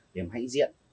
niềm hãnh diện